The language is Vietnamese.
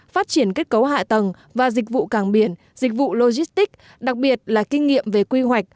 phát triển kết cấu hạ tầng và dịch vụ càng biển dịch vụ logistics đặc biệt là kinh nghiệm về quy hoạch